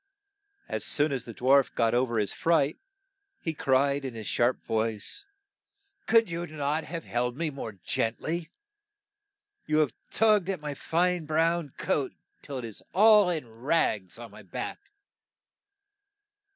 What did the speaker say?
As soon as the dwarf got o ver his fright, he cried in his sharp voice '' Could you not have held me more gent ly ? You have tugged at my fine brown coat till it is all in rags on my back.'